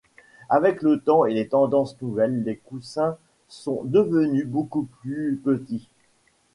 Avec le temps et les tendances nouvelles, les coussins sont devenus beaucoup plus petits.